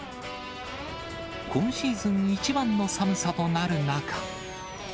今シーズン一番の寒さとなる中。